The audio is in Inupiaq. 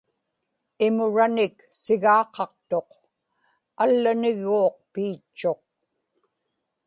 imuranik sigaaqaqtuq; allanigguuq piitchuq